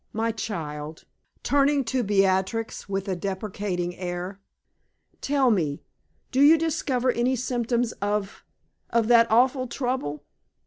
My child," turning to Beatrix with a deprecating air, "tell me, do you discover any symptoms of of that awful trouble?